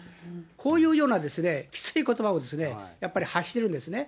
こういうようなきついことばをやっぱり発してるんですね。